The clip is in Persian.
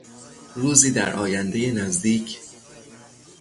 روزی در آیندهی نزدیک